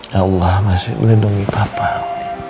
ya allah masih melindungi bapak